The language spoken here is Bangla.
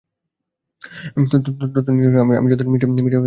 ততদিন কি আমি যথারীতি মিঃ ডেভলিনকে রিপোর্ট করব?